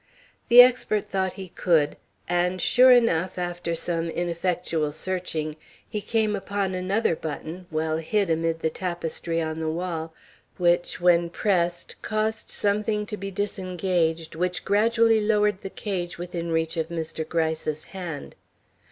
The expert thought he could. And, sure enough, after some ineffectual searching, he came upon another button well hid amid the tapestry on the wall, which, when pressed, caused something to be disengaged which gradually lowered the cage within reach of Mr. Gryce's hand.